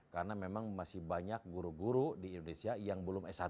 karena memang masih banyak guru guru di indonesia yang belum s satu